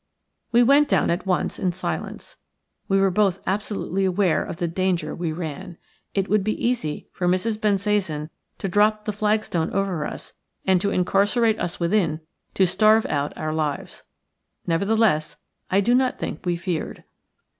We went down at once in silence. We were both absolutely aware of the danger we ran. It would be easy for Mrs. Bensasan to drop the flagstone over us and to incarcerate us within to starve out our lives. Nevertheless, I do not think we feared.